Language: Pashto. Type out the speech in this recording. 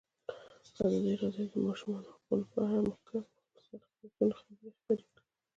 ازادي راډیو د د ماشومانو حقونه په اړه د مخکښو شخصیتونو خبرې خپرې کړي.